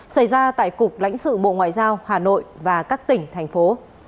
xảy ra tại cục lãnh sự bộ ngoại giao hà nội và các tỉnh thành phố